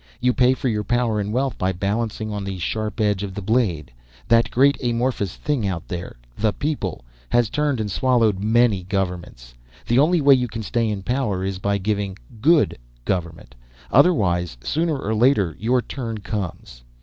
You pay for your power and wealth by balancing on the sharp edge of the blade. That great amorphous thing out there the people has turned and swallowed many governments. The only way you can stay in power is by giving good government. Otherwise sooner on later your turn comes.